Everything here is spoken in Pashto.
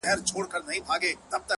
سري وخت دی- ځان له دغه ښاره باسه-